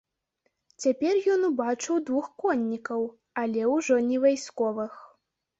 Цяпер ён убачыў двух коннікаў, але ўжо не вайсковых.